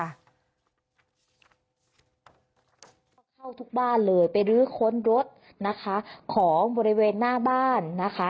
เข้าทุกบ้านเลยไปรื้อค้นรถนะคะของบริเวณหน้าบ้านนะคะ